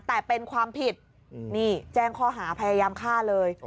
แต่เป็นความผิดนี่แจ้งข้อหาพยายามฆ่าเลย